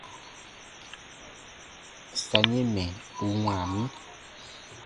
Sa yɛ̃ mɛ̀ u wãa mi.